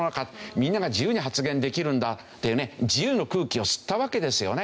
みんなが自由に発言できるんだっていうね自由の空気を吸ったわけですよね。